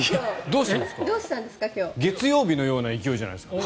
月曜日のような勢いじゃないですか。